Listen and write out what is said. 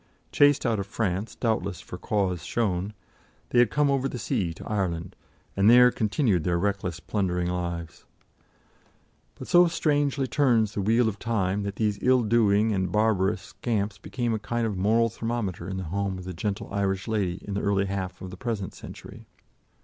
Chased out of France, doubtless for cause shown, they had come over the sea to Ireland, and there continued their reckless plundering lives. But so strangely turns the wheel of time that these ill doing and barbarous scamps became a kind of moral thermometer in the home of the gentle Irish lady in the early half of the present century.